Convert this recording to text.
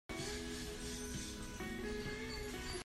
Amah cu ka naute a si.